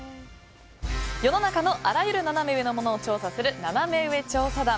世の中のあらゆるナナメ上のものを調査するナナメ上調査団。